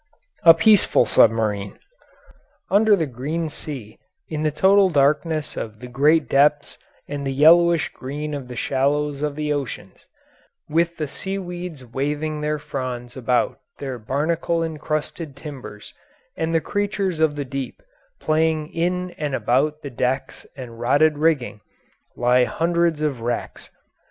A PEACEFUL SUBMARINE Under the green sea, in the total darkness of the great depths and the yellowish green of the shallows of the oceans, with the seaweeds waving their fronds about their barnacle encrusted timbers and the creatures of the deep playing in and about the decks and rotted rigging, lie hundreds of wrecks.